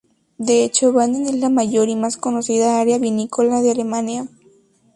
De hecho, Baden es la mayor y más conocida área vinícola de Alemania.